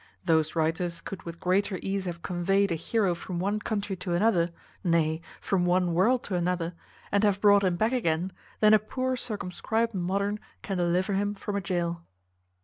Those writers could with greater ease have conveyed a heroe from one country to another, nay from one world to another, and have brought him back again, than a poor circumscribed modern can deliver him from a jail.